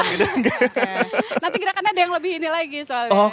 nanti gerakannya ada yang lebih ini lagi soalnya